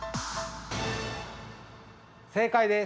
正解です。